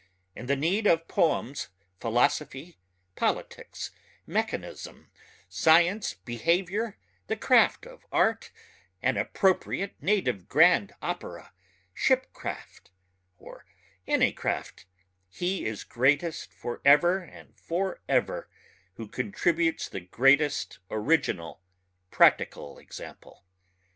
In the need of poems philosophy politics mechanism science behavior, the craft of art, an appropriate native grand opera, shipcraft; or any craft, he is greatest for ever and for ever who contributes the greatest original practical example.